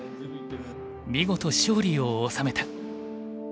見事勝利を収めた。